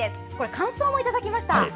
感想もいただきました。